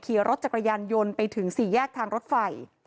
ขี่รถจักรยานยนต์ไปถึงสี่แยกทางรถไฟ